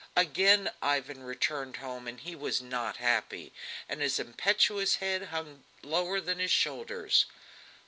Again Ivan returned home and he was not happy, and his impetuous head hung lower than his shoulders.